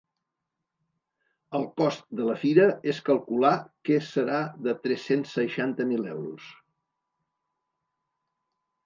El cost de la fira es calcular que serà de tres-cents seixanta mil euros.